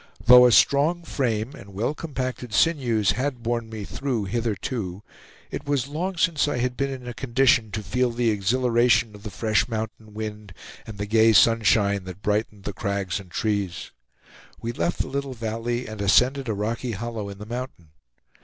Though a strong frame and well compacted sinews had borne me through hitherto, it was long since I had been in a condition to feel the exhilaration of the fresh mountain wind and the gay sunshine that brightened the crags and trees. We left the little valley and ascended a rocky hollow in the mountain.